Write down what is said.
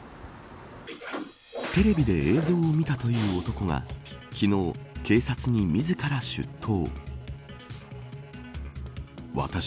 テレビで映像を見たという男が昨日、警察に自ら出頭。